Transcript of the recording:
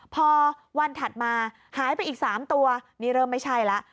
พอวันถัดมาหายไปอีก๓ตัวนี่เริ่มไม่ใช่แล้ว